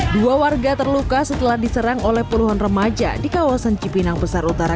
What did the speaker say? dua warga terluka setelah diserang oleh puluhan remaja di kawasan cipinang besar utara